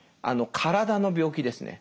体の病気ですね。